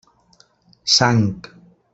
Sang.